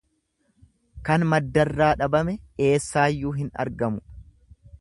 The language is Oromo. Kan maddarraa dhabame eessaayyuu hin argamu.